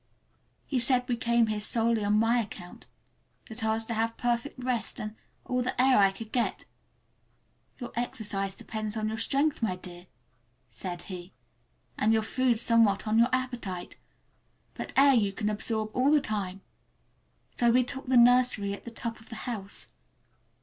He said we came here solely on my account, that I was to have perfect rest and all the air I could get. "Your exercise depends on your strength, my dear," said he, "and your food somewhat on your appetite; but air you can absorb all the time." So we took the nursery, at the top of the house.